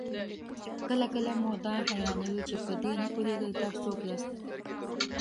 کله کله مو دا حيرانوي چې په دې نه پوهېږئ تاسې څوک ياستئ؟